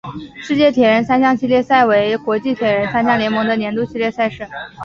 世界铁人三项系列赛为国际铁人三项联盟的年度系列赛事。